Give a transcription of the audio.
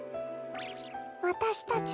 わたしたちはね